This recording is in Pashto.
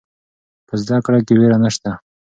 په زده کړه کې ویره نشته.